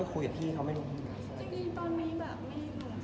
ถ้าคุณไม่ได้เห็นความแตกต่างของเราเป็นคำนึง